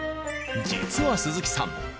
実は鈴木さん